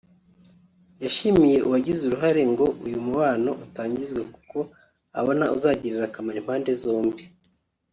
yashimiye uwagize uruhare ngo uyu mubano utangizwe kuko abona uzagirira akamaro impande zombi